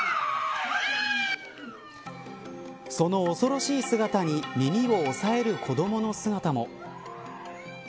その恐ろしい姿に耳を押さえる子どもの姿も。